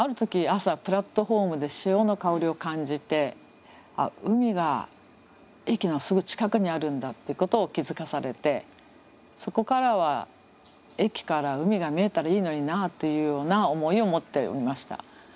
朝プラットホームで潮の香りを感じて海が駅のすぐ近くにあるんだってことを気付かされてそこからは駅から海が見えたらいいのになっていうような思いを持っていました。